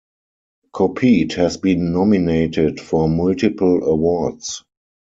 Kopete has been nominated for multiple awards.